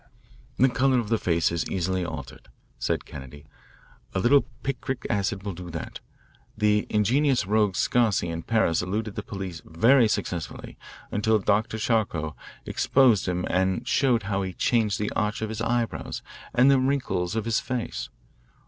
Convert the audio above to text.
"The colour of the face is easily altered," said Kennedy. "A little picric acid will do that. The ingenious rogue Sarcey in Paris eluded the police very successfully until Dr. Charcot exposed him and showed how he changed the arch of his eyebrows and the wrinkles of his face.